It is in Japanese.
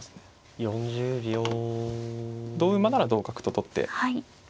同馬なら同角と取って。